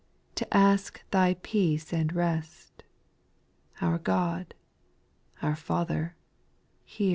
To ask Thy peace and rest. Our God, our Father, hear !